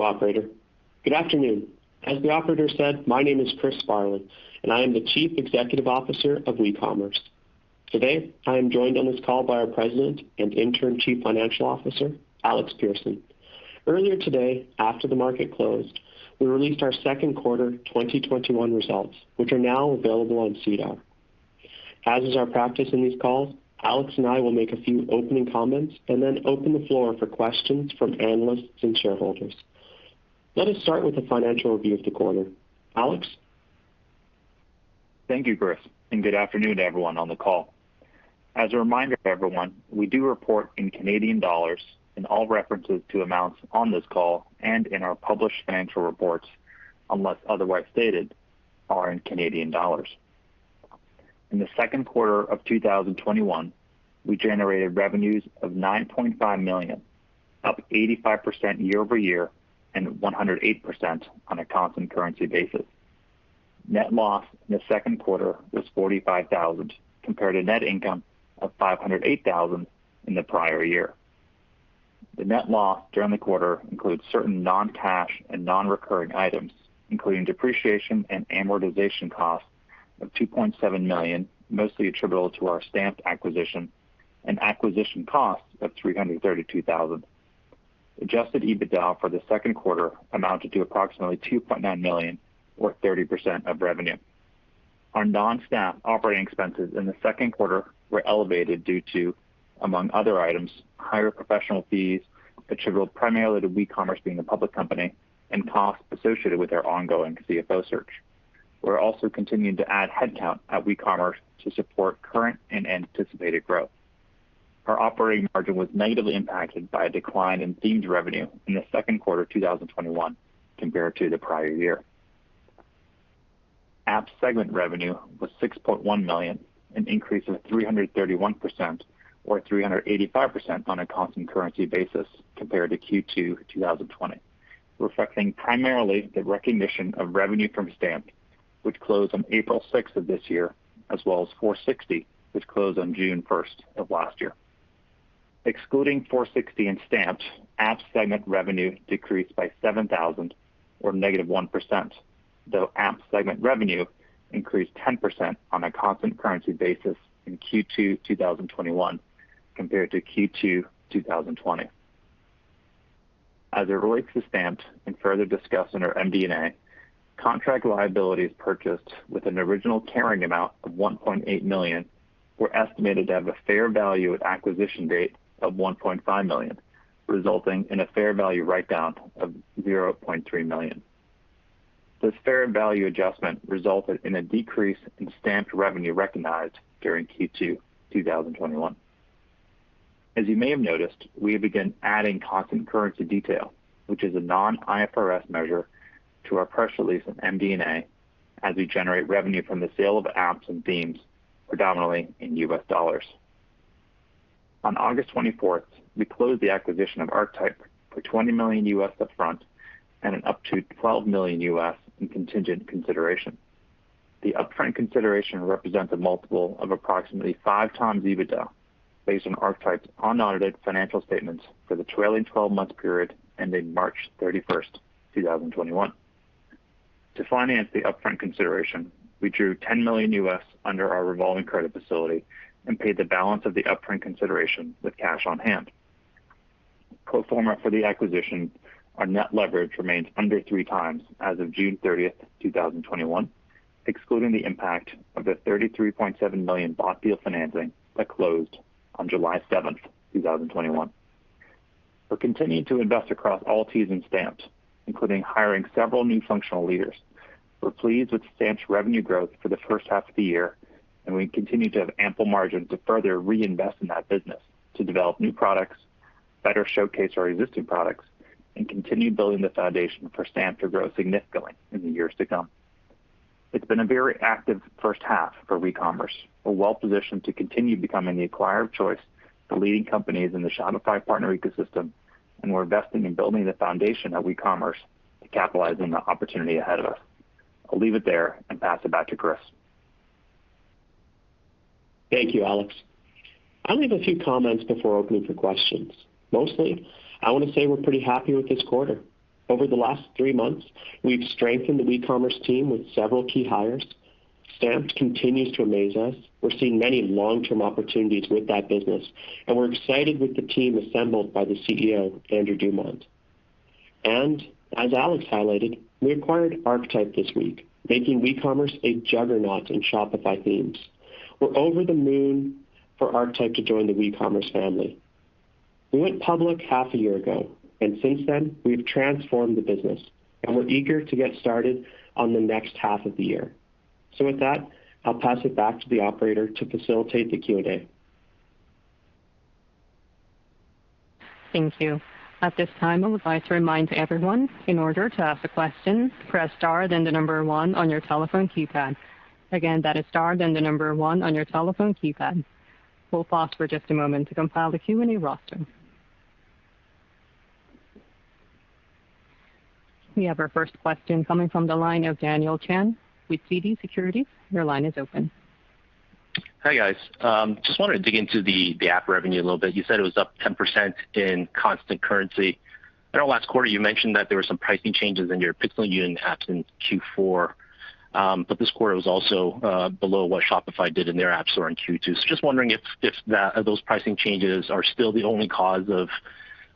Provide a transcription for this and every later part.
Thank you, operator. Good afternoon. As the operator said, my name is Chris Sparling, and I am the Chief Executive Officer of WeCommerce. Today, I am joined on this call by our President and Interim Chief Financial Officer, Alex Persson. Earlier today, after the market closed, we released our second quarter 2021 results, which are now available on SEDAR. As is our practice in these calls, Alex and I will make a few opening comments and then open the floor for questions from analysts and shareholders. Let us start with the financial review of the quarter. Alex? Thank you, Chris, and good afternoon to everyone on the call. As a reminder to everyone, we do report in Canadian dollars, and all references to amounts on this call and in our published financial reports, unless otherwise stated, are in Canadian dollars. In the second quarter of 2021, we generated revenues of 9.5 million, up 85% year-over-year and 108% on a constant currency basis. Net loss in the second quarter was 45,000 compared to net income of 508,000 in the prior year. The net loss during the quarter includes certain non-cash and non-recurring items, including depreciation and amortization costs of 2.7 million, mostly attributable to our Stamped acquisition, and acquisition costs of 332,000. Adjusted EBITDA for the second quarter amounted to approximately 2.9 million or 30% of revenue. Our non-Stamped operating expenses in the second quarter were elevated due to, among other items, higher professional fees attributable primarily to WeCommerce being a public company and costs associated with our ongoing CFO search. We're also continuing to add headcount at WeCommerce to support current and anticipated growth. Our operating margin was negatively impacted by a decline in themes revenue in the second quarter 2021 compared to the prior year. Apps segment revenue was $6.1 million, an increase of 331%, or 385% on a constant currency basis compared to Q2 2020, reflecting primarily the recognition of revenue from Stamped, which closed on April 6th of this year, as well as Foursixty, which closed on June 1st of last year. Excluding Foursixty and Stamped, apps segment revenue decreased by $7,000 or -1%, though apps segment revenue increased 10% on a constant currency basis in Q2 2021 compared to Q2 2020. As it relates to Stamped and further discussed in our MD&A, contract liabilities purchased with an original carrying amount of 1.8 million were estimated to have a fair value at acquisition date of 1.5 million, resulting in a fair value write-down of 0.3 million. This fair value adjustment resulted in a decrease in Stamped revenue recognized during Q2 2021. As you may have noticed, we have begun adding constant currency detail, which is a non-IFRS measure to our press release and MD&A as we generate revenue from the sale of apps and themes predominantly in US dollars. On August 24th, we closed the acquisition of Archetype for $20 million upfront and an up to $12 million in contingent consideration. The upfront consideration represents a multiple of approximately five times EBITDA based on Archetype's unaudited financial statements for the trailing 12-month period ending March 31st, 2021. To finance the upfront consideration, we drew $10 million US under our revolving credit facility and paid the balance of the upfront consideration with cash on hand. Pro forma for the acquisition, our net leverage remains under three times as of June 30th, 2021, excluding the impact of the 33.7 million bought deal financing that closed on July 7th, 2021. We're continuing to invest across all teams in Stamped, including hiring several new functional leaders. We're pleased with Stamped's revenue growth for the first half of the year. We continue to have ample margin to further reinvest in that business to develop new products, better showcase our existing products, and continue building the foundation for Stamped to grow significantly in the years to come. It's been a very active first half for WeCommerce. We're well positioned to continue becoming the acquirer of choice for leading companies in the Shopify partner ecosystem, and we're investing in building the foundation at WeCommerce to capitalize on the opportunity ahead of us. I'll leave it there and pass it back to Chris. Thank you, Alex. I only have a few comments before opening for questions. Mostly, I want to say we're pretty happy with this quarter. Over the last three months, we've strengthened the WeCommerce team with several key hires. Stamped continues to amaze us. We're seeing many long-term opportunities with that business, and we're excited with the team assembled by the CEO, Andrew Dumont. As Alex highlighted, we acquired Archetype this week, making WeCommerce a juggernaut in Shopify themes. We're over the moon for Archetype to join the WeCommerce family. We went public half a year ago, and since then, we've transformed the business, and we're eager to get started on the next half of the year. With that, I'll pass it back to the operator to facilitate the Q&A. Thank you. At this time, I would like to remind everyone, in order to ask a question, press star then the number one on your telephone keypad. Again, that is star then the number one on your telephone keypad. We'll pause for just a moment to compile the Q&A roster. We have our first question coming from the line of Daniel Chan with TD Securities. Your line is open. Hi, guys. Just wanted to dig into the app revenue a little bit. You said it was up 10% in constant currency. I know last quarter you mentioned that there were some pricing changes in your Pixel Union apps in Q4, but this quarter was also below what Shopify did in their app store in Q2. Just wondering if those pricing changes are still the only cause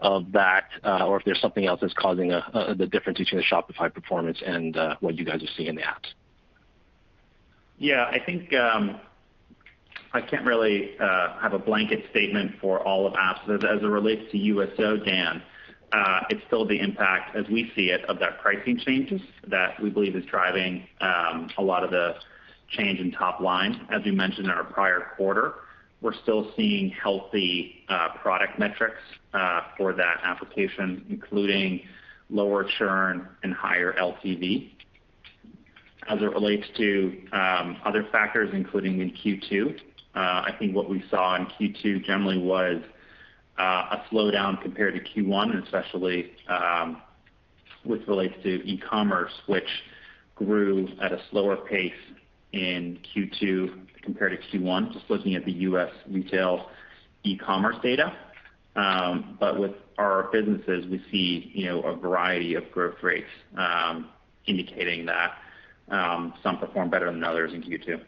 of that, or if there's something else that's causing the difference between the Shopify performance and what you guys are seeing in the apps. Yeah, I think I can't really have a blanket statement for all of apps as it relates to you at so, Dan. It's still the impact, as we see it, of that pricing changes that we believe is driving a lot of the change in top line. As we mentioned in our prior quarter, we're still seeing healthy product metrics for that application, including lower churn and higher LTV. As it relates to other factors, including in Q2, I think what we saw in Q2 generally was a slowdown compared to Q1, especially with relates to e-commerce, which grew at a slower pace in Q2 compared to Q1, just looking at the U.S. retail e-commerce data. With our businesses, we see a variety of growth rates, indicating that some perform better than others in Q2.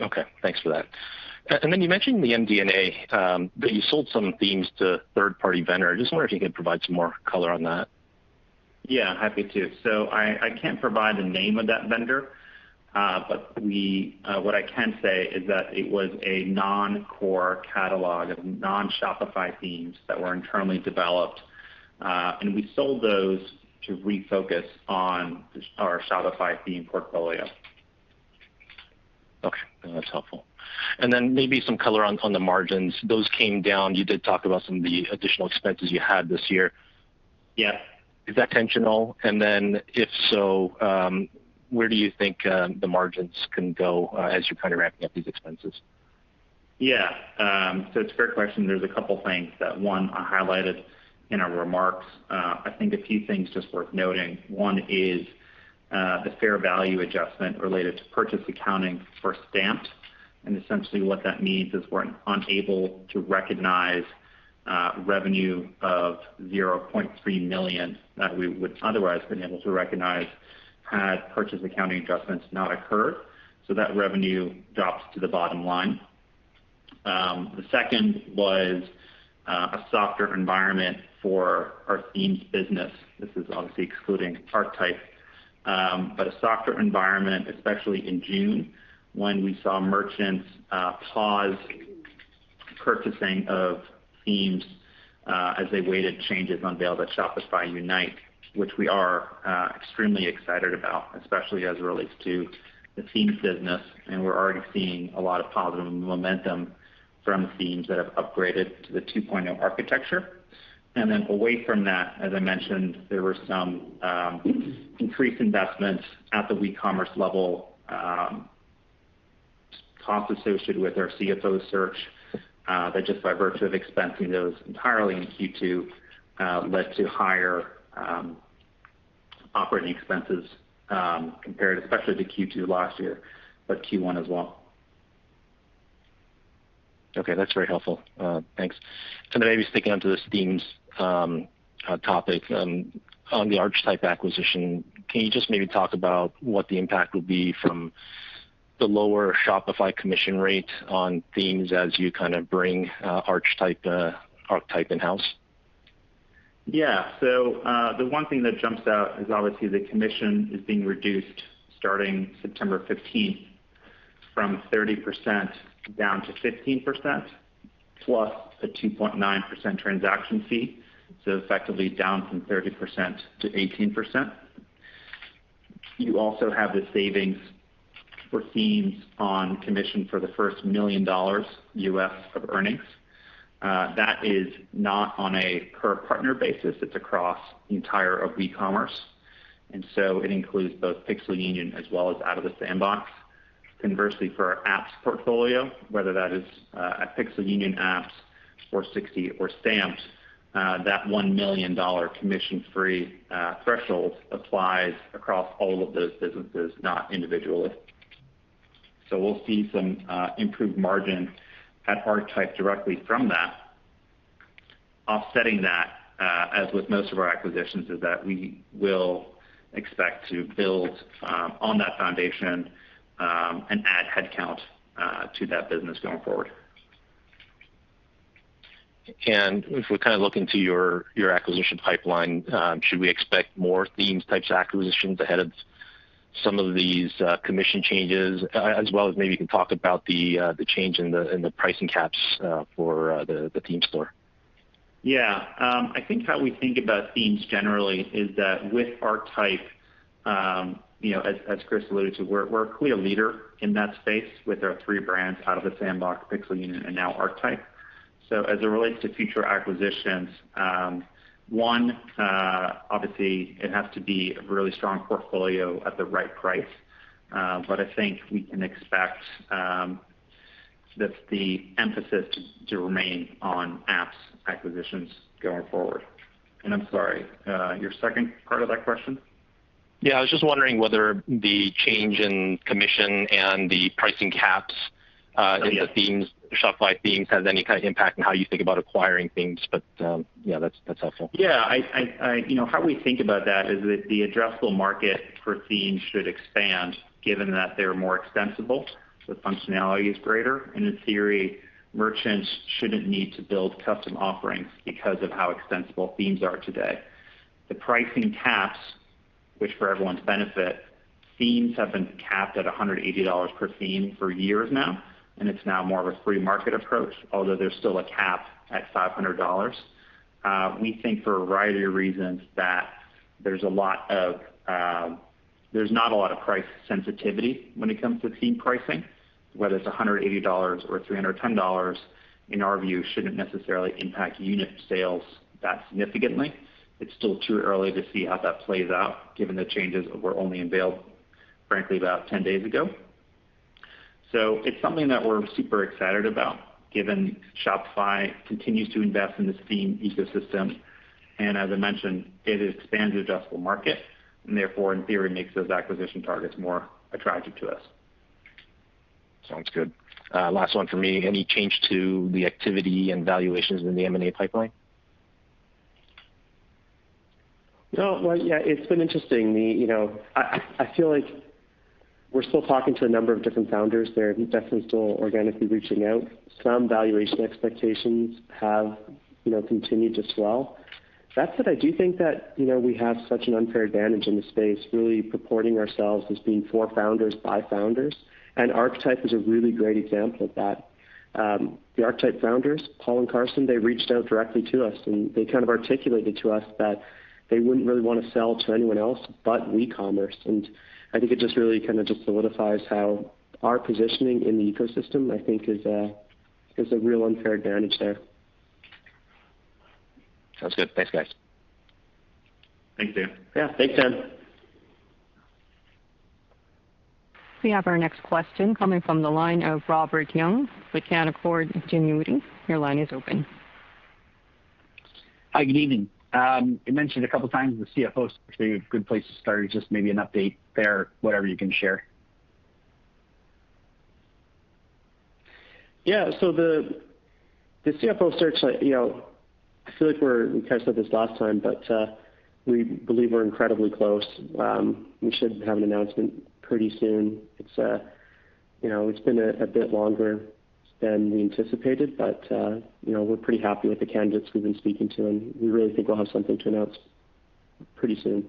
Okay, thanks for that. You mentioned the MD&A, that you sold some themes to a third-party vendor. I just wonder if you could provide some more color on that. Happy to. I can't provide the name of that vendor. What I can say is that it was a non-core catalog of non-Shopify themes that were internally developed. We sold those to refocus on our Shopify theme portfolio. Okay. No, that's helpful. Then maybe some color on the margins. Those came down. You did talk about some of the additional expenses you had this year. Yeah. Is that intentional? If so, where do you think the margins can go as you're kind of ramping up these expenses? Yeah. It's a fair question. There's a couple things that, one, are highlighted in our remarks. I think a few things just worth noting. One is, the fair value adjustment related to purchase accounting for Stamped, and essentially what that means is we're unable to recognize revenue of $0.3 million that we would otherwise been able to recognize had purchase accounting adjustments not occurred. That revenue drops to the bottom line. The second was a softer environment for our themes business. This is obviously excluding Archetype. A softer environment, especially in June, when we saw merchants pause purchasing of themes as they waited changes unveiled at Shopify Unite, which we are extremely excited about, especially as it relates to the themes business, and we're already seeing a lot of positive momentum from themes that have upgraded to the 2.0 architecture. Away from that, as I mentioned, there were some increased investments at the WeCommerce level. Costs associated with our CFO search, that just by virtue of expensing those entirely in Q2, led to higher operating expenses compared especially to Q2 last year, but Q1 as well. Okay, that's very helpful. Thanks. Maybe sticking onto this themes topic. On the Archetype acquisition, can you just maybe talk about what the impact will be from the lower Shopify commission rate on themes as you kind of bring Archetype in-house? Yeah. The one thing that jumps out is obviously the commission is being reduced starting September 15th from 30% down to 15%, plus a 2.9% transaction fee. Effectively down from 30% to 18%. You also have the savings for themes on commission for the first $1 million of earnings. That is not on a per partner basis, it's across the entire of WeCommerce, and so it includes both Pixel Union as well as Out of the Sandbox. Conversely, for our apps portfolio, whether that is at Pixel Union apps or Foursixty or Stamped, that $1 million commission-free threshold applies across all of those businesses, not individually. We'll see some improved margin at Archetype directly from that. Offsetting that, as with most of our acquisitions, is that we will expect to build on that foundation, and add headcount to that business going forward. If we kind of look into your acquisition pipeline, should we expect more themes types acquisitions ahead of some of these commission changes, as well as maybe you can talk about the change in the pricing caps for the theme store? I think how we think about themes generally is that with Archetype, as Chris alluded to, we're clearly a leader in that space with our three brands, Out of the Sandbox, Pixel Union, and now Archetype. As it relates to future acquisitions, one, obviously it has to be a really strong portfolio at the right price. I think we can expect that the emphasis to remain on apps acquisitions going forward. I'm sorry, your second part of that question? Yeah, I was just wondering whether the change in commission and the pricing caps in the Shopify themes has any kind of impact on how you think about acquiring themes? Yeah, that's helpful. Yeah. How we think about that is that the addressable market for themes should expand, given that they're more extensible, the functionality is greater, and in theory, merchants shouldn't need to build custom offerings because of how extensible themes are today. The pricing caps, which for everyone's benefit, themes have been capped at $180 per theme for years now, and it's now more of a free market approach, although there's still a cap at $500. We think for a variety of reasons that there's not a lot of price sensitivity when it comes to theme pricing, whether it's $180 or $310, in our view, shouldn't necessarily impact unit sales that significantly. It's still too early to see how that plays out, given the changes were only unveiled, frankly, about 10 days ago. It's something that we're super excited about given Shopify continues to invest in this theme ecosystem. As I mentioned, it expands the addressable market and therefore in theory makes those acquisition targets more attractive to us. Sounds good. Last one from me. Any change to the activity and valuations in the M&A pipeline? No. Well, yeah, it's been interesting. I feel like we're still talking to a number of different founders. They're definitely still organically reaching out. Some valuation expectations have continued to swell. That said, I do think that we have such an unfair advantage in the space, really purporting ourselves as being for founders, by founders, and Archetype is a really great example of that. The Archetype founders, Paul and Carson, they reached out directly to us, and they kind of articulated to us that they wouldn't really want to sell to anyone else but WeCommerce, and I think it just really kind of just solidifies how our positioning in the ecosystem, I think is a real unfair advantage there. Sounds good. Thanks, guys. Thanks, Dan. Yeah. Thanks, Dan. We have our next question coming from the line of Robert Young with Canaccord Genuity. Your line is open. Hi, good evening. You mentioned a couple times the CFO search being a good place to start. Just maybe an update there, whatever you can share? Yeah. The CFO search, I feel like we kind of said this last time, but we believe we're incredibly close. We should have an announcement pretty soon. It's been a bit longer than we anticipated, but we're pretty happy with the candidates we've been speaking to, and we really think we'll have something to announce pretty soon.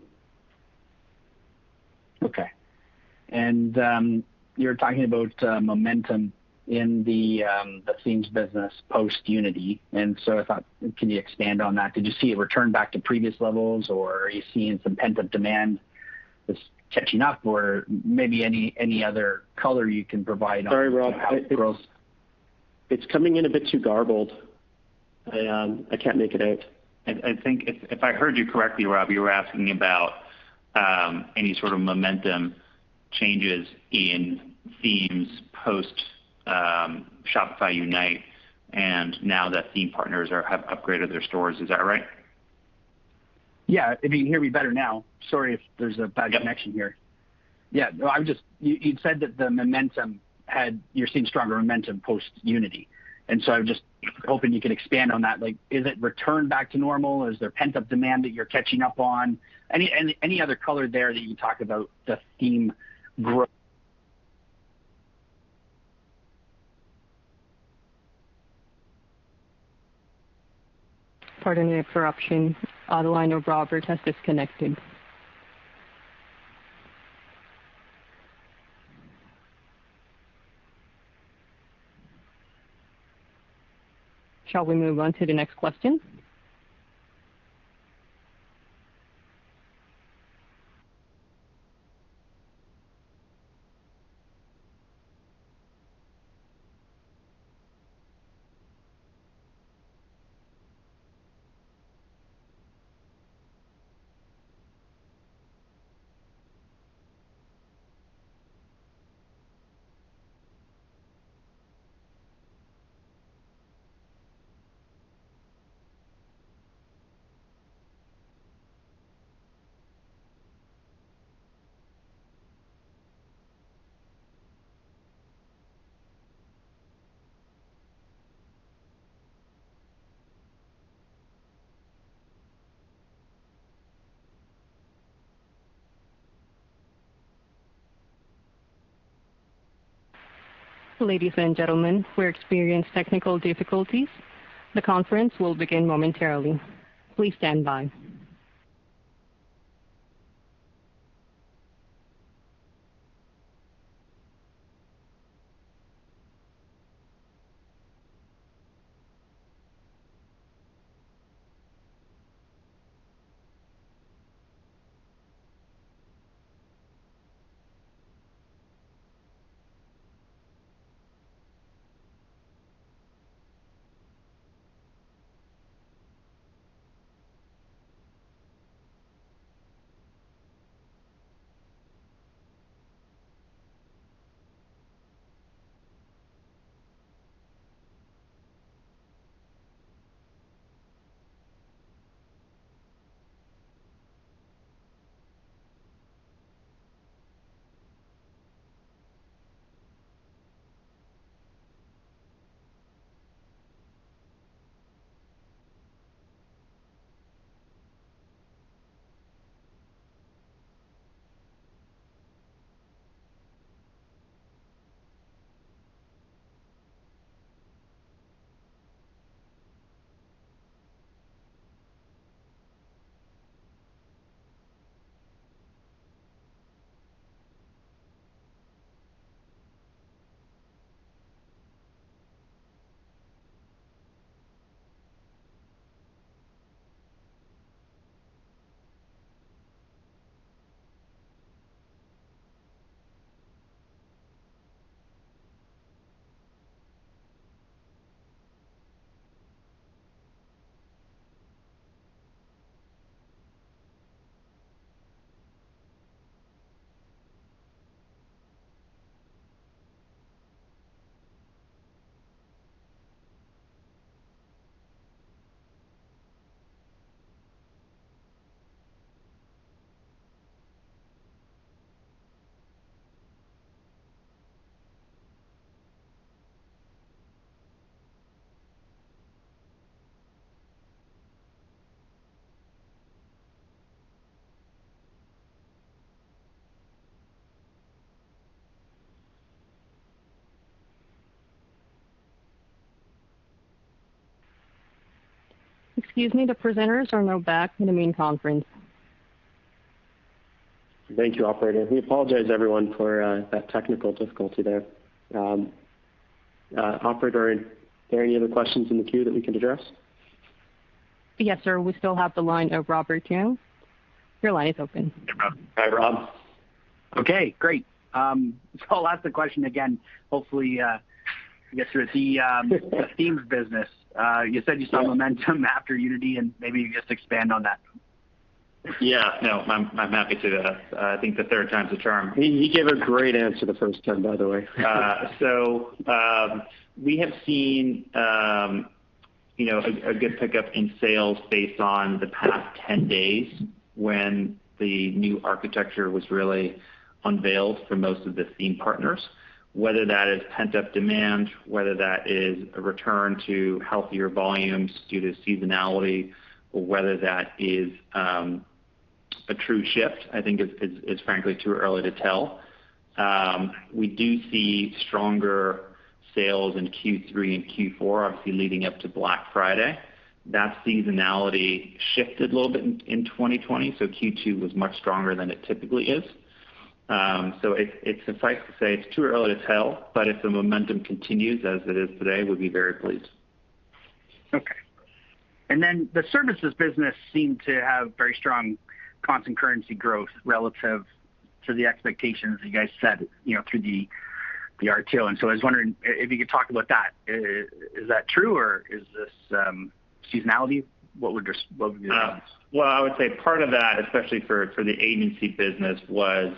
Okay. You're talking about momentum in the themes business post Unite. I thought, can you expand on that? Did you see it return back to previous levels, or are you seeing some pent-up demand that's catching up or maybe any other color you can provide on? Sorry, Rob. It's coming in a bit too garbled. I can't make it out. I think if I heard you correctly, Rob, you were asking about any sort of momentum changes in themes post Shopify Unite and now that theme partners have upgraded their stores. Is that right? Yeah. If you can hear me better now. Sorry if there's a bad connection here. Yep. Yeah, you'd said that you're seeing stronger momentum post Unite. I was just hoping you could expand on that. Is it returned back to normal? Is there pent-up demand that you're catching up on? Any other color there that you can talk about the theme? Pardon the interruption. The line of Robert has disconnected. Shall we move on to the next question? Ladies and gentlemen, we're experiencing technical difficulties. The conference will begin momentarily. Please stand by. Excuse me, the presenters are now back into main conference. Thank you, operator. We apologize everyone for that technical difficulty there. Operator, are there any other questions in the queue that we can address? Yes, sir, we still have the line of Robert Young. Your line is open. Hi, Rob. Okay, great. I'll ask the question again, hopefully, yes, there is the themes business. You said you saw momentum after Unite, and maybe you can just expand on that. Yeah, no, I'm happy to. I think the third time's a charm. He gave a great answer the first time, by the way. We have seen a good pickup in sales based on the past 10 days when the new architecture was really unveiled for most of the theme partners. Whether that is pent-up demand, whether that is a return to healthier volumes due to seasonality, or whether that is a true shift, I think it's frankly too early to tell. We do see stronger sales in Q3 and Q4, obviously leading up to Black Friday. That seasonality shifted a little bit in 2020, so Q2 was much stronger than it typically is. Suffice to say, it's too early to tell, but if the momentum continues as it is today, we'd be very pleased. Okay. The services business seemed to have very strong constant currency growth relative to the expectations that you guys set through the RTO. I was wondering if you could talk about that. Is that true, or is this seasonality? What would your answer be? Well, I would say part of that, especially for the agency business, was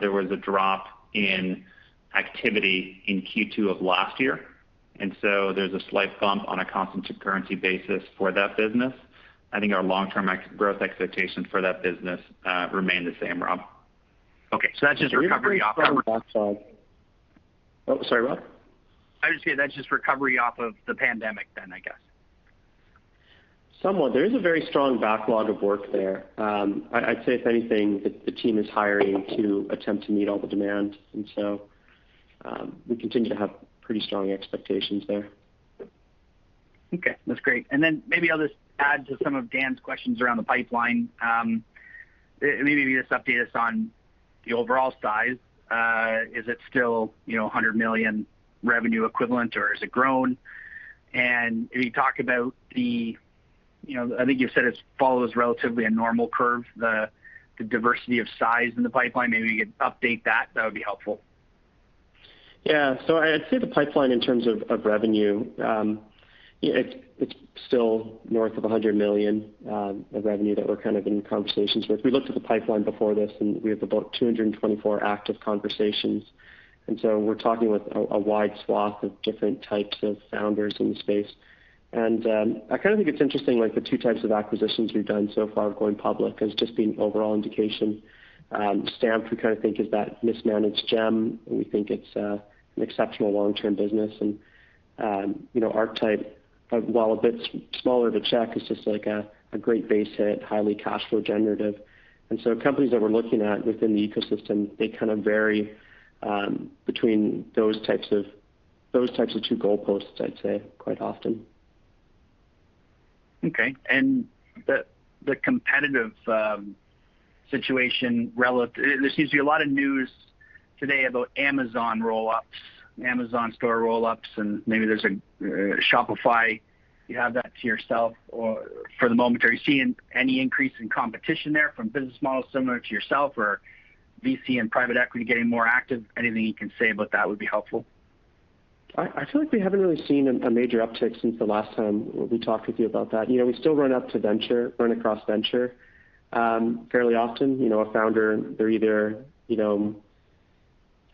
there was a drop in activity in Q2 of last year. There's a slight bump on a constant currency basis for that business. I think our long-term growth expectations for that business remain the same, Rob. Okay, that's just recovery. Oh, sorry, Rob? I was going to say that's just recovery off of the pandemic then, I guess. Somewhat. There is a very strong backlog of work there. I'd say if anything, the team is hiring to attempt to meet all the demand, and so we continue to have pretty strong expectations there. Okay, that's great. Maybe I'll just add to some of Dan's questions around the pipeline. Maybe just update us on the overall size. Is it still 100 million revenue equivalent or has it grown? If you talk about, I think you've said it follows relatively a normal curve, the diversity of size in the pipeline. Maybe you could update that. That would be helpful. Yeah. I'd say the pipeline in terms of revenue, it's still north of $100 million of revenue that we're kind of in conversations with. We looked at the pipeline before this, and we have about 224 active conversations, and so we're talking with a wide swath of different types of founders in the space. I kind of think it's interesting, the two types of acquisitions we've done so far going public has just been overall indication. Stamped, we kind of think is that mismanaged gem. We think it's an exceptional long-term business. Archetype, while a bit smaller of a check, is just a great base hit, highly cash flow generative. Companies that we're looking at within the ecosystem, they kind of vary between those types of two goalposts, I'd say quite often. Okay. The competitive situation. There seems to be a lot of news today about Amazon roll-ups, Amazon store roll-ups, and maybe there's a Shopify, you have that to yourself for the moment. Are you seeing any increase in competition there from business models similar to yourself or VC and private equity getting more active? Anything you can say about that would be helpful. I feel like we haven't really seen a major uptick since the last time we talked with you about that. We still run across venture fairly often. A founder, they're either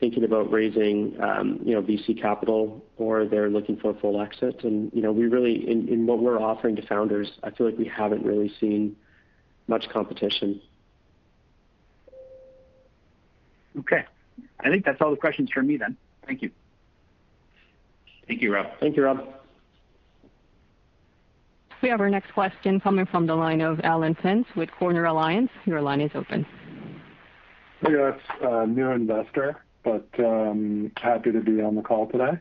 thinking about raising VC capital or they're looking for a full exit. In what we're offering to founders, I feel like we haven't really seen much competition. Okay. I think that's all the questions from me then. Thank you. Thank you, Rob. Thank you, Rob. We have our next question coming from the line of Alan Pentz with Corner Alliance. Your line is open. Yes, a new investor, but happy to be on the call today.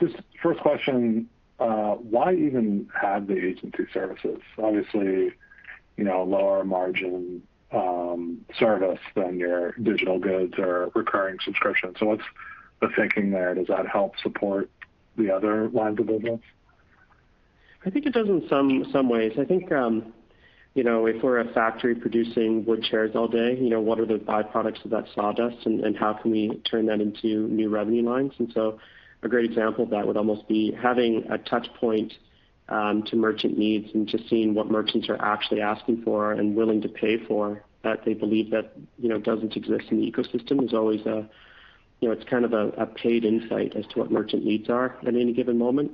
Just first question, why even have the agency services? Obviously, lower margin service than your digital goods or recurring subscription. What's the thinking there? Does that help support the other lines of business? I think it does in some ways. I think if we're a factory producing wood chairs all day, what are the byproducts of that sawdust, and how can we turn that into new revenue lines? A great example of that would almost be having a touch point to merchant needs and just seeing what merchants are actually asking for and willing to pay for that they believe that doesn't exist in the ecosystem. It's kind of a paid insight as to what merchant needs are at any given moment.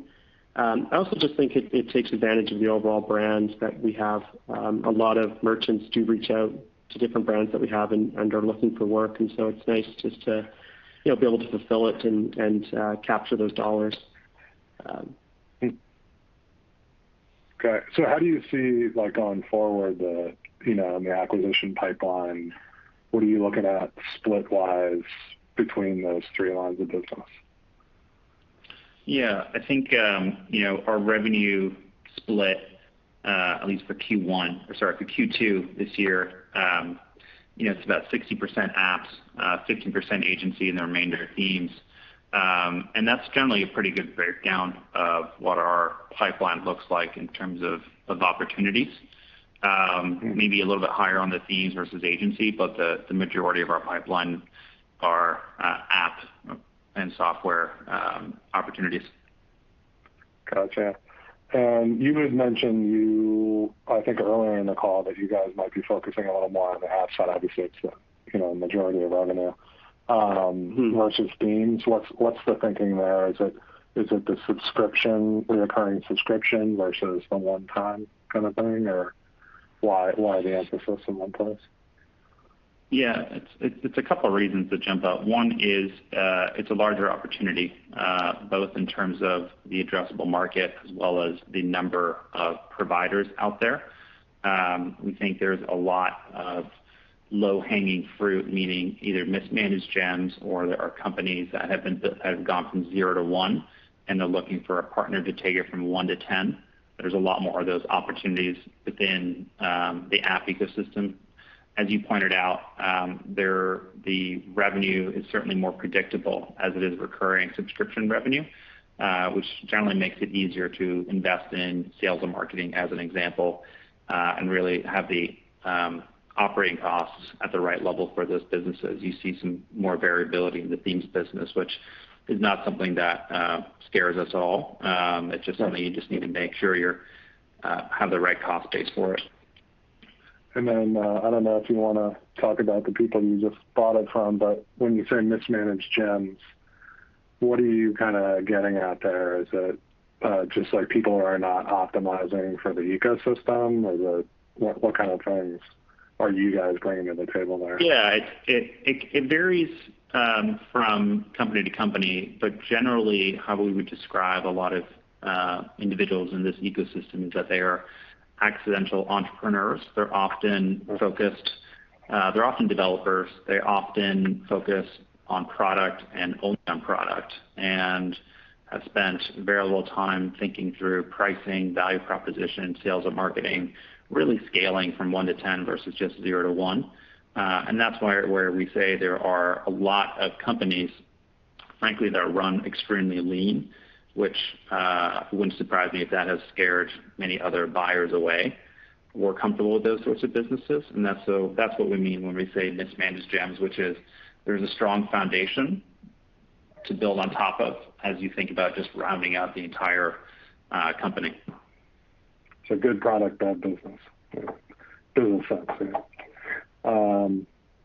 I also just think it takes advantage of the overall brands that we have. A lot of merchants do reach out to different brands that we have and are looking for work, and so it's nice just to be able to fulfill it and capture those dollars. Okay. How do you see, going forward, the acquisition pipeline, what are you looking at split-wise between those three lines of business? Yeah. I think our revenue split, at least for Q1, or sorry, for Q2 this year, it's about 60% apps, 15% agency, and the remainder themes. That's generally a pretty good breakdown of what our pipeline looks like in terms of opportunities. Maybe a little bit higher on the themes versus agency, but the majority of our pipeline are app and software opportunities. Got you. You had mentioned, I think earlier in the call, that you guys might be focusing a little more on the app side. Obviously, it's the majority of revenue versus themes. What's the thinking there? Is it the subscription, reoccurring subscription versus the one-time kind of thing, or why the emphasis on one versus? Yeah. It's a couple reasons that jump out. One is it's a larger opportunity, both in terms of the addressable market as well as the number of providers out there. We think there's a lot of low-hanging fruit, meaning either mismanaged gems or there are companies that have gone from zero to one and they're looking for a partner to take it from one to 10. There's a lot more of those opportunities within the app ecosystem. As you pointed out, the revenue is certainly more predictable as it is recurring subscription revenue, which generally makes it easier to invest in sales and marketing, as an example, and really have the operating costs at the right level for those businesses. You see some more variability in the themes business, which is not something that scares us all. It's just something you just need to make sure you have the right cost base for it. I don't know if you want to talk about the people you just bought it from. When you say mismanaged gems, what are you getting at there? Is it just like people are not optimizing for the ecosystem or what kind of things are you guys bringing to the table there? It varies from company to company, generally how we would describe a lot of individuals in this ecosystem is that they are accidental entrepreneurs. They're often developers. They often focus on product and only on product, have spent very little time thinking through pricing, value proposition, sales and marketing, really scaling from 1 to 10 versus just 0 to 1. That's where we say there are a lot of companies, frankly, that are run extremely lean, which wouldn't surprise me if that has scared many other buyers away. We're comfortable with those sorts of businesses, that's what we mean when we say mismanaged gems, which is there's a strong foundation to build on top of as you think about just rounding out the entire company. Good product, bad business. Business sense, yeah.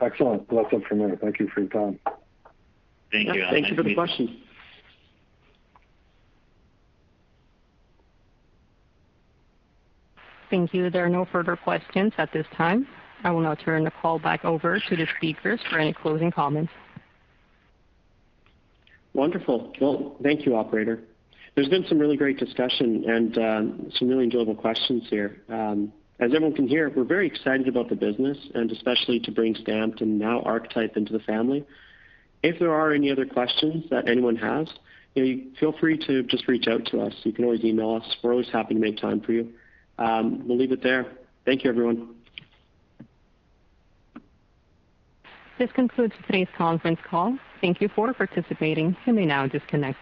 Excellent. Well, that's it for me. Thank you for your time. Thank you. Yeah. Thank you for the question. Thank you. There are no further questions at this time. I will now turn the call back over to the speakers for any closing comments. Wonderful. Thank you, operator. There's been some really great discussion and some really enjoyable questions here. As everyone can hear, we're very excited about the business and especially to bring Stamped and now Archetype into the family. If there are any other questions that anyone has, feel free to just reach out to us. You can always email us. We're always happy to make time for you. We'll leave it there. Thank you, everyone. This concludes today's conference call. Thank you for participating. You may now disconnect.